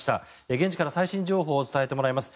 現地から最新情報を伝えてもらいます。